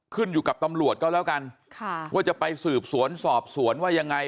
ขึ้นอยู่กับตำรวจก็แล้วกันค่ะว่าจะไปสืบสวนสอบสวนว่ายังไง